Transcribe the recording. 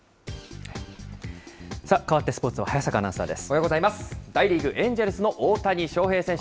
かわってスポーツ、早坂アナウンサーです。